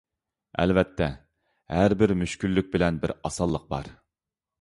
ئەلۋەتتە، ھەربىر مۈشكۈللۈك بىلەن بىر ئاسانلىق بار.